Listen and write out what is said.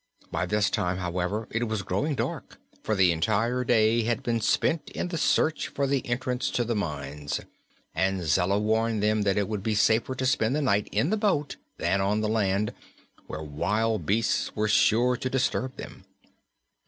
By this time, however, it was growing dark, for the entire day had been spent in the search for the entrance to the mines, and Zella warned them that it would be safer to spend the night in the boat than on the land, where wild beasts were sure to disturb them.